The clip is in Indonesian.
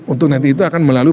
untuk nanti itu akan melalui